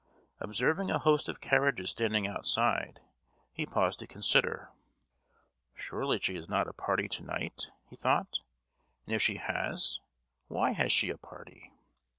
Observing a host of carriages standing outside, he paused to consider. "Surely she has not a party to night!" he thought, "and if she has, why has she a party?"